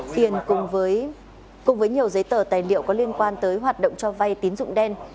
tiền cùng với nhiều giấy tờ tài liệu có liên quan tới hoạt động cho vay tín dụng đen